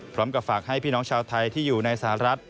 พร้อมกับฝากให้พี่น้องชาวไทยที่อยู่ในสหรัฐ